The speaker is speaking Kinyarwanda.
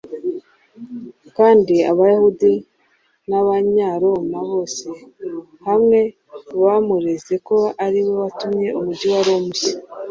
kandi Abayahudi n’Abanyaroma bose hamwe bamureze ko ari we watumye umujyi wa Roma ushya.